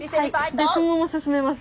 そのまま進めます？